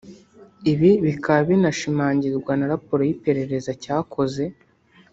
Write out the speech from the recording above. ibi bikaba binashimangirwa na raporo y’iperereza cyakoze